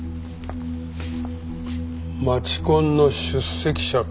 街コンの出席者か。